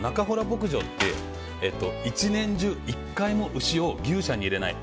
牧場って１年中、１回も牛を牛舎に入れない。